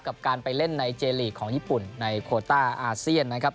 กับการไปเล่นในเจลีกของญี่ปุ่นในโคต้าอาเซียนนะครับ